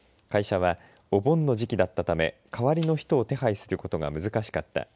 会社はお盆の時期だったため代わりの人を手配することが難しかった。